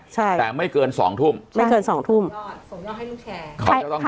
ใช่แต่ไม่เกินสองทุ่มไม่เกินสองทุ่มส่งยอดให้ลูกแชร์